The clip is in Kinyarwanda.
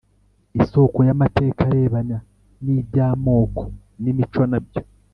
Isoko y amateka arebana n iby amoko n imico na byo